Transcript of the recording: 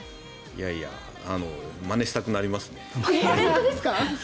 いやいやまねしたくなりますね。